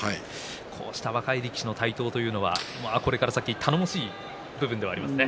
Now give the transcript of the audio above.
こうした若い力士の台頭というのはこの先、頼もしい部分ではありますね。